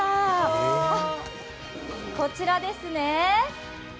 こちらですね。